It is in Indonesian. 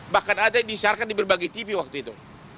bahkan ada yang disiarkan di berbagai tv waktu itu